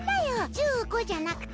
１５じゃなくて。